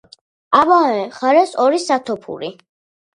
ამავე მხარეს ორი სათოფური.